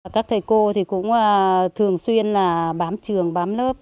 các thầy cô cũng thường xuyên bám trường bám lớp